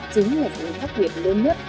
chính là sự khác biệt lớn nhất